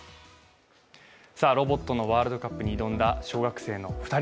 ロボットのワールドカップに挑んだ小学生の２人。